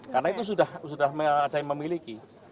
karena itu sudah ada yang memiliki